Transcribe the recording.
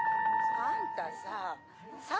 ☎あんたさ